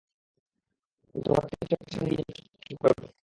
কিন্তু হঠাৎই চোখের সামনে কী যেন চকচক করে উঠল।